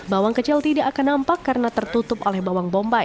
bawang kecil tidak akan nampak karena tertutup oleh bawang bombay